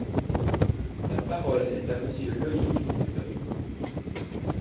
La parole est à Monsieur Loïc Prud’homme.